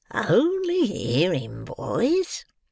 "Only hear him, boys!"